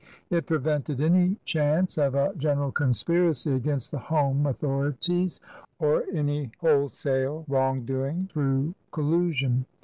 It prevented any chance of a general conspiracy against the home authori ties or any wholesale wrong doing through col lusion.